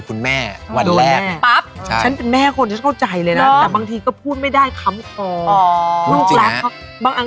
ก็ไม่หุ้ยตั๊บหน้าเขาจะมาเกะนั่นข้างหลัง